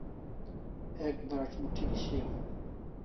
Ek drac' moth'ik shiau